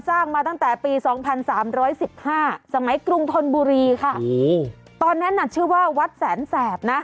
สร้างมาตั้งแต่ปี๒๓๑๕สมัยกรุงทนบุรีค่ะโอ้ตอนนั้นน่ะชื่อว่าวัดแสนแสบนะ